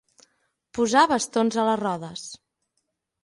Posar bastons a les rodes.